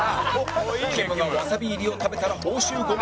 きむがワサビ入りを食べたら報酬５万